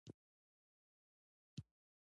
او یوه پیاله توت